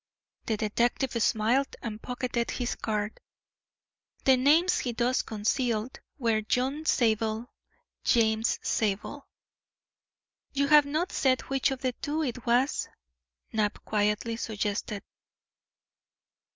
The detective smiled and pocketed his card. The names he thus concealed were John Zabel, James Zabel. "You have not said which of the two it was," Knapp quietly suggested.